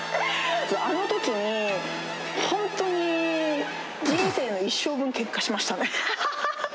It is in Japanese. あのときに、本当に、人生の一生分、けんかしましたね。